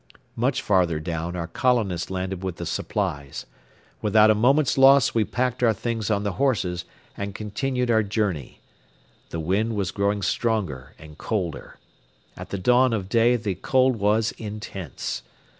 Much farther down our colonist landed with the supplies. Without a moment's loss we packed our things on the horses and continued our journey. The wind was growing stronger and colder. At the dawn of day the cold was intense.